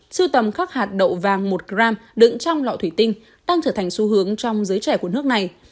sưu tầm các hạt đậu vàng một gram đựng trong lọ thủy tinh đang trở thành xu hướng trong giới trẻ của nước này